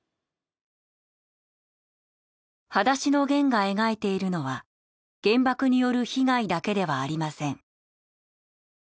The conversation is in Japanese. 『はだしのゲン』が描いているのは原爆による被害だけではありません。